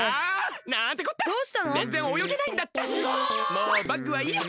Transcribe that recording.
もうバッグはいいや！